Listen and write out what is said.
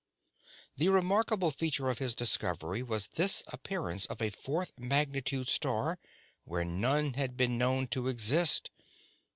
The remarkable feature of his discovery was this appearance of a fourth magnitude star where none had been known to exist.